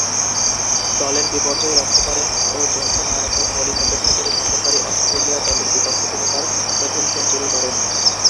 দলের বিপর্যয় রক্ষা করেন ও জোন্সের মারাত্মক বোলিং উপেক্ষা করে সফরকারী অস্ট্রেলিয়া দলের বিপক্ষে তিনি তাঁর প্রথম সেঞ্চুরি করেন।